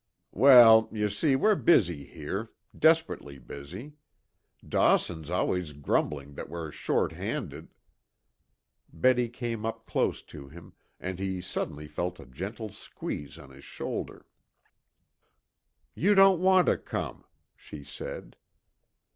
"Well, you see, we're busy here desperately busy. Dawson's always grumbling that we're short handed " Betty came up close to him, and he suddenly felt a gentle squeeze on his shoulder. "You don't want to come," she said.